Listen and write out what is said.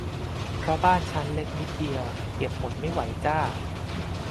เพราะบ้านฉันเล็กนิดเดียว เก็บหมดไม่ไหวจ้า